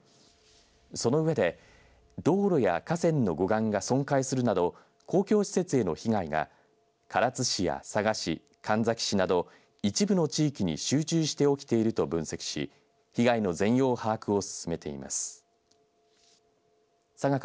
その上で道路や河川の護岸が損壊するなど公共施設への被害が唐津市や佐賀市、神埼市など一部の地域に集中して起きていると分析し被害の全容把握を進めています。